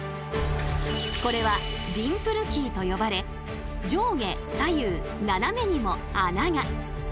これはディンプルキーと呼ばれ上下左右斜めにも穴が。